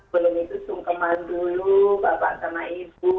belum itu sungkeman dulu bapak sama ibu